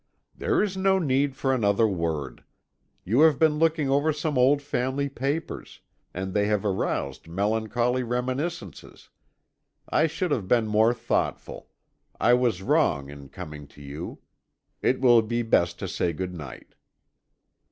"There is no need for another word. You have been looking over some old family papers, and they have aroused melancholy reminiscences. I should have been more thoughtful; I was wrong in coming to you. It will be best to say good night."